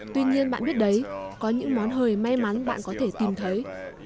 tuy nhiên bạn biết đấy có những món hời may mắn bạn có thể tìm thấy